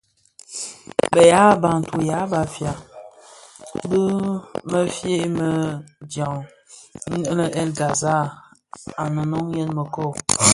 Bë yaa Bantu (ya Bafia) bi mëfye më dyaň innë le bahr El Ghazal nnamonèn mëkoo.